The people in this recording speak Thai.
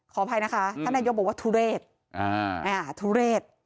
ขออภัยนะคะถ้านายกรัฐมนตรีบอกว่าทุเรศ